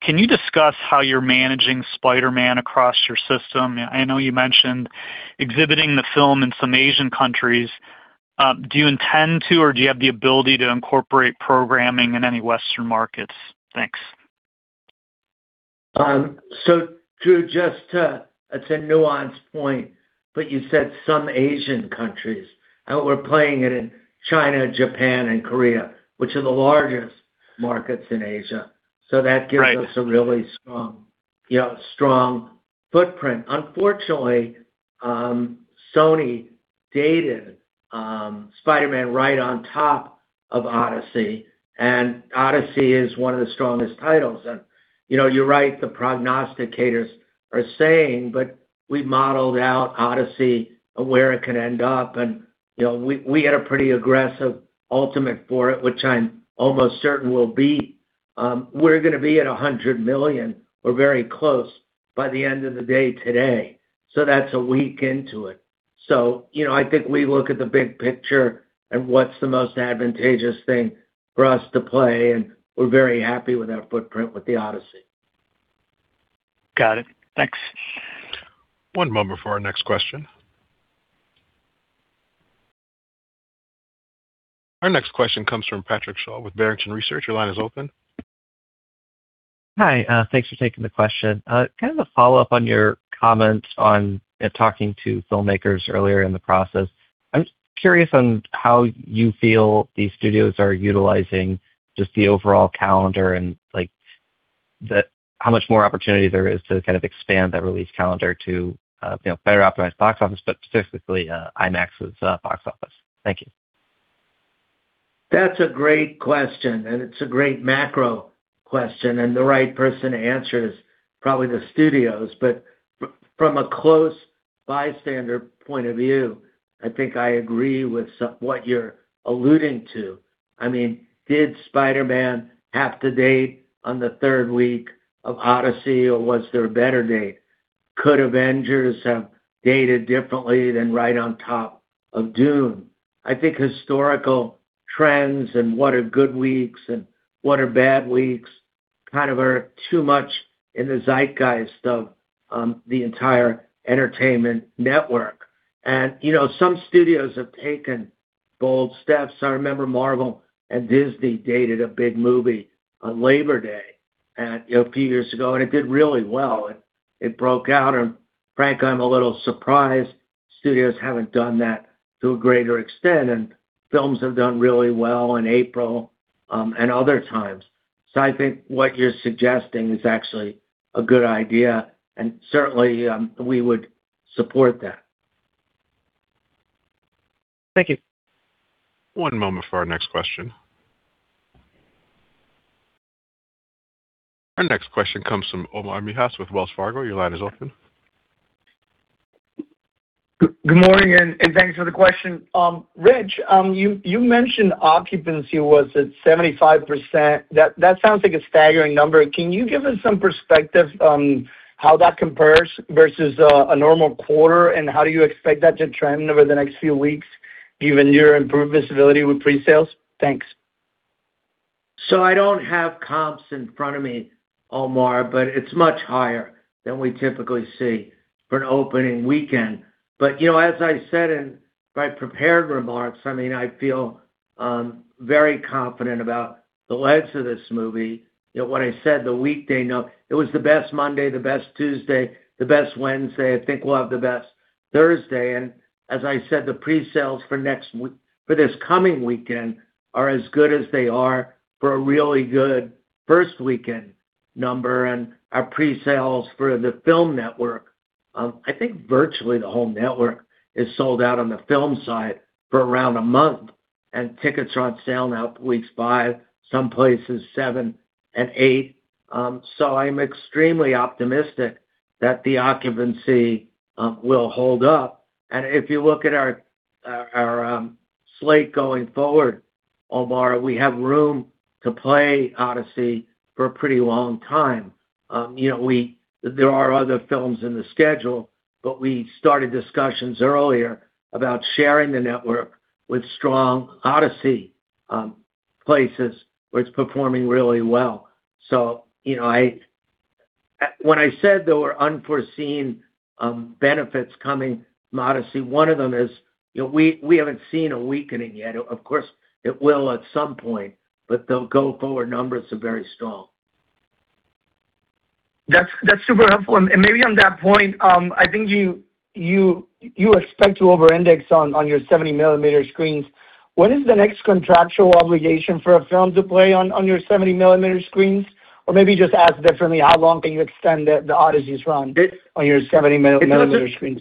can you discuss how you're managing Spider-Man across your system? I know you mentioned exhibiting the film in some Asian countries. Do you intend to, or do you have the ability to incorporate programming in any Western markets? Thanks. Drew, it's a nuanced point, you said some Asian countries. We're playing it in China, Japan and Korea, which are the largest markets in Asia. Right. That gives us a really strong footprint. Unfortunately, Sony dated Spider-Man right on top of Odyssey is one of the strongest titles. You're right, the prognosticators are saying, we've modeled out Odyssey and where it can end up, we had a pretty aggressive ultimate for it, which I'm almost certain will beat. We're going to be at $100 million or very close by the end of the day today. That's a week into it. I think we look at the big picture and what's the most advantageous thing for us to play, and we're very happy with our footprint with The Odyssey. Got it. Thanks. One moment for our next question. Our next question comes from Patrick Sholl with Barrington Research. Your line is open. Hi. Thanks for taking the question. Kind of a follow-up on your comment on talking to filmmakers earlier in the process. I'm just curious on how you feel the studios are utilizing just the overall calendar and how much more opportunity there is to kind of expand that release calendar to better optimize box office, but specifically IMAX's box office. Thank you. That's a great question, it's a great macro question, the right person to answer is probably the studios. From a close bystander point of view, I think I agree with what you're alluding to. Did Spider-Man have to date on the third week of Odyssey, or was there a better date? Could Avengers have dated differently than right on top of Dune? I think historical trends and what are good weeks and what are bad weeks kind of are too much in the zeitgeist of the entire entertainment network. Some studios have taken bold steps. I remember Marvel and Disney dated a big movie on Labor Day a few years ago, and it did really well. It broke out. Frankly, I'm a little surprised studios haven't done that to a greater extent, and films have done really well in April, and other times. I think what you're suggesting is actually a good idea, and certainly, we would support that. Thank you. One moment for our next question. Our next question comes from Omar Mejias with Wells Fargo. Your line is open. Good morning, and thanks for the question. Rich, you mentioned occupancy was at 75%. That sounds like a staggering number. Can you give us some perspective on how that compares versus a normal quarter, and how do you expect that to trend over the next few weeks, given your improved visibility with presales? Thanks. I don't have comps in front of me, Omar, it's much higher than we typically see for an opening weekend. As I said in my prepared remarks, I feel very confident about the legs of this movie. What I said the weekday, it was the best Monday, the best Tuesday, the best Wednesday. I think we'll have the best Thursday. As I said, the presales for this coming weekend are as good as they are for a really good first weekend number. Our presales for the film network, I think virtually the whole network is sold out on the film side for around a month, and tickets are on sale now for weeks five, some places seven and eight. I'm extremely optimistic that the occupancy will hold up. If you look at our slate going forward, Omar, we have room to play Odyssey for a pretty long time. There are other films in the schedule, we started discussions earlier about sharing the network with strong Odyssey places where it's performing really well. When I said there were unforeseen benefits coming, modestly, one of them is we haven't seen a weakening yet. Of course, it will at some point, the go-forward numbers are very strong. That's super helpful. Maybe on that point, I think you expect to over-index on your 70mm screens. When is the next contractual obligation for a film to play on your 70mm screens? Or maybe just asked differently, how long can you extend the Odyssey's run on your 70mm screens?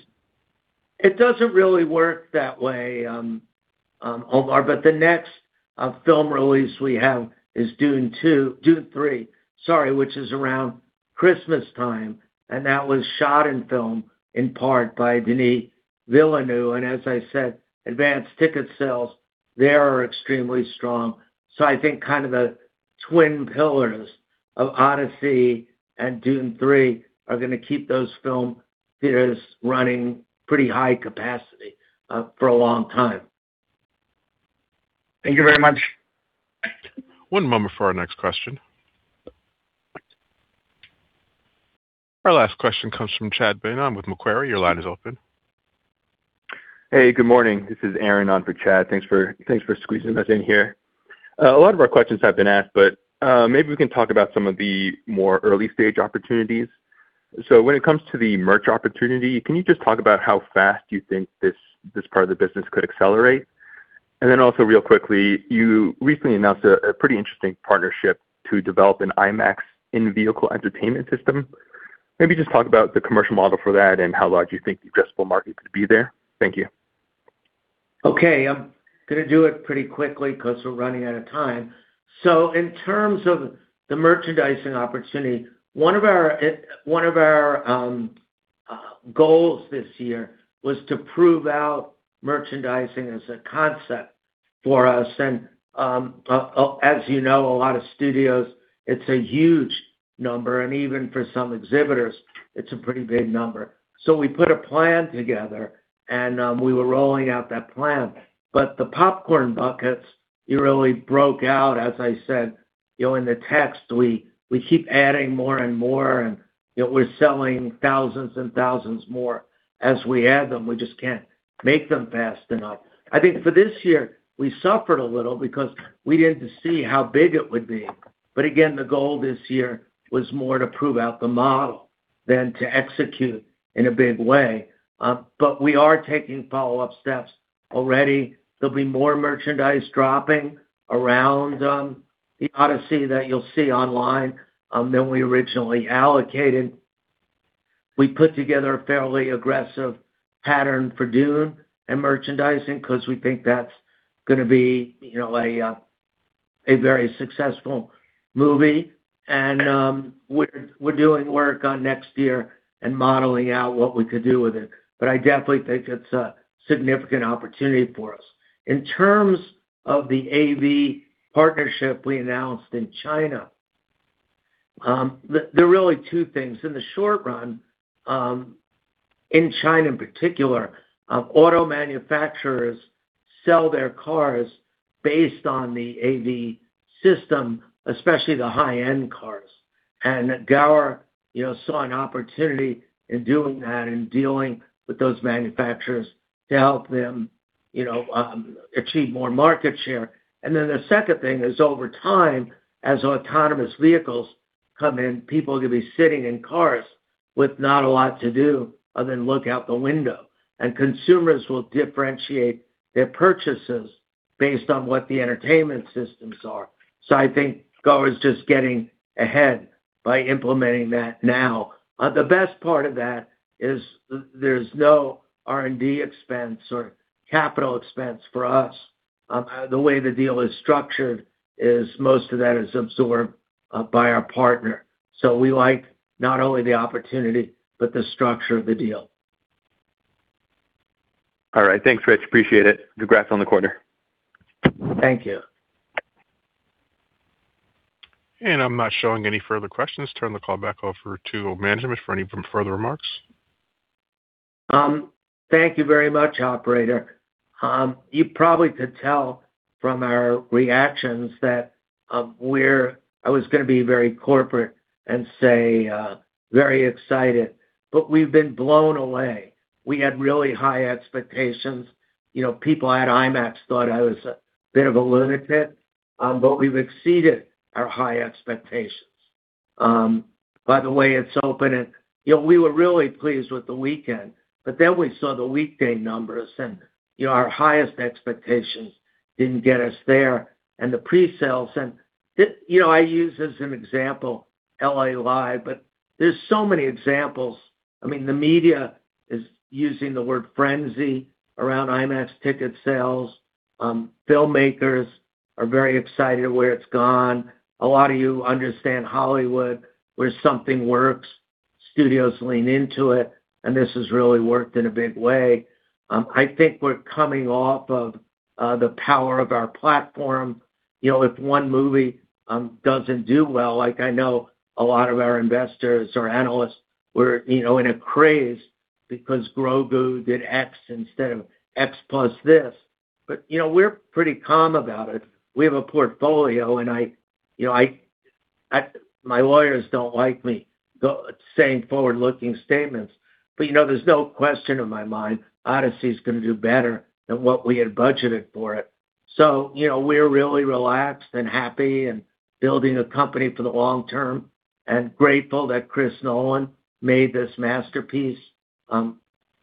It doesn't really work that way, Omar, the next film release we have is Dune Three, which is around Christmas time, and that was shot in film in part by Denis Villeneuve. As I said, advanced ticket sales there are extremely strong. I think the twin pillars of Odyssey and Dune Three are going to keep those film theaters running pretty high capacity for a long time. Thank you very much. One moment for our next question. Our last question comes from Chad Beynon with Macquarie. Your line is open. Hey, good morning. This is Aaron on for Chad. Thanks for squeezing us in here. A lot of our questions have been asked, but maybe we can talk about some of the more early-stage opportunities. When it comes to the merch opportunity, can you just talk about how fast you think this part of the business could accelerate? Also real quickly, you recently announced a pretty interesting partnership to develop an IMAX in-vehicle entertainment system. Maybe just talk about the commercial model for that and how large you think the addressable market could be there. Thank you. Okay. I'm going to do it pretty quickly because we're running out of time. In terms of the merchandising opportunity, one of our goals this year was to prove out merchandising as a concept for us. As you know, a lot of studios, it's a huge number, and even for some exhibitors, it's a pretty big number. We put a plan together, and we were rolling out that plan. The popcorn buckets really broke out, as I said in the text, we keep adding more and more, and we're selling thousands and thousands more as we add them. We just can't make them fast enough. I think for this year, we suffered a little because we didn't see how big it would be. Again, the goal this year was more to prove out the model than to execute in a big way. We are taking follow-up steps already. There'll be more merchandise dropping around The Odyssey that you'll see online than we originally allocated. We put together a fairly aggressive pattern for Dune and merchandising because we think that's going to be a very successful movie. We're doing work on next year and modeling out what we could do with it. I definitely think it's a significant opportunity for us. In terms of the AV partnership we announced in China, there are really two things. In the short run, in China in particular, auto manufacturers sell their cars based on the AV system, especially the high-end cars. Gower saw an opportunity in doing that and dealing with those manufacturers to help them achieve more market share. The second thing is over time, as autonomous vehicles come in, people are going to be sitting in cars with not a lot to do other than look out the window. Consumers will differentiate their purchases based on what the entertainment systems are. I think goer's just getting ahead by implementing that now. The best part of that is there's no R&D expense or capital expense for us. The way the deal is structured is most of that is absorbed by our partner. We like not only the opportunity, but the structure of the deal. All right. Thanks, Rich. Appreciate it. Congrats on the quarter. Thank you. I'm not showing any further questions. Turn the call back over to management for any further remarks. Thank you very much, operator. You probably could tell from our reactions that I was going to be very corporate and say very excited, but we've been blown away. We had really high expectations. People at IMAX thought I was a bit of a lunatic, but we've exceeded our high expectations. By the way, it's open, and we were really pleased with the weekend, but then we saw the weekday numbers, and our highest expectations didn't get us there. The pre-sales and I use as an example, L.A. Live, but there's so many examples. The media is using the word frenzy around IMAX ticket sales. Filmmakers are very excited where it's gone. A lot of you understand Hollywood, where something works, studios lean into it, and this has really worked in a big way. I think we're coming off of the power of our platform. If one movie doesn't do well, like I know a lot of our investors or analysts were in a craze because Grogu did X instead of X plus this, but we're pretty calm about it. We have a portfolio, and my lawyers don't like me saying forward-looking statements, but there's no question in my mind Odyssey is going to do better than what we had budgeted for it. We're really relaxed and happy and building a company for the long term and grateful that Chris Nolan made this masterpiece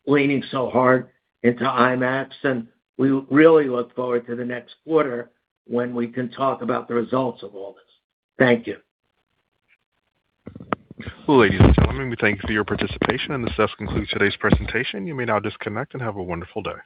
leaning so hard into IMAX, and we really look forward to the next quarter when we can talk about the results of all this. Thank you. Ladies and gentlemen, we thank you for your participation, and this does conclude today's presentation. You may now disconnect and have a wonderful day.